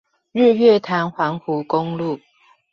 日月潭環湖公路